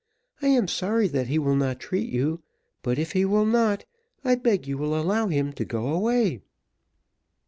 I am sorry that he will not treat you; but if he will not, I beg you will allow him to go away."